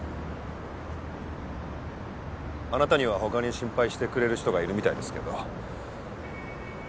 あなたには他に心配してくれる人がいるみたいですけど。